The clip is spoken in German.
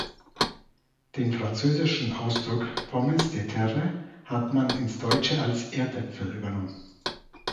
Den französischen Ausdruck "pommes de terre" hat man ins Deutsche als „Erdäpfel“ übernommen.